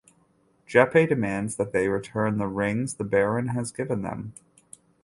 Jeppe demands that they return the rings the baron has given them.